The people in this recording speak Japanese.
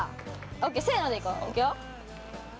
ＯＫせのでいこういくよ。